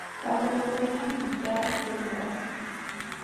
Bajo el gobierno militar del Gral.